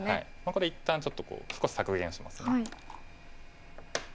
これ一旦ちょっとこう少し削減しますね。